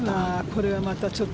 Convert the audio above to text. これはまたちょっと。